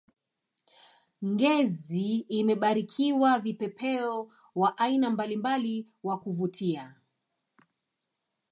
ngezi imebarikiwa vipepeo wa aina mbalimbali wa kuvutia